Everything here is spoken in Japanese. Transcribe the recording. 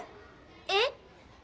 えっ！？